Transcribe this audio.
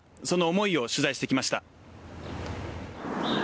その思いを取材してきました。